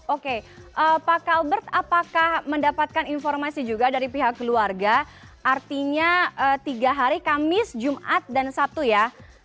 oke pak kalbert apakah mendapatkan informasi juga dari pihak keluarga artinya tiga hari kamis jumat dan sabtu ya